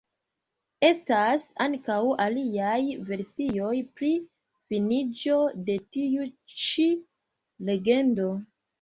Estas ankaŭ aliaj versioj pri finiĝo de tiu ĉi legendo.